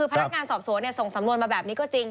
พนักงานสอบสวนส่งสำนวนมาแบบนี้ก็จริง